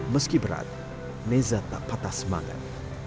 meski berat neza tak patah semangat